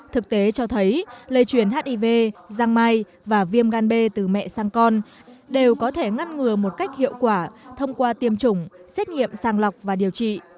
thực tế cho thấy lây truyền hivăng mai và viêm gan b từ mẹ sang con đều có thể ngăn ngừa một cách hiệu quả thông qua tiêm chủng xét nghiệm sàng lọc và điều trị